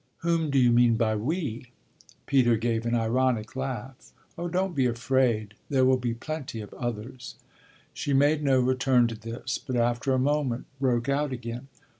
"Whom do you mean by 'we'?" Peter gave an ironic laugh. "Oh don't be afraid there will be plenty of others!" She made no return to this, but after a moment broke out again.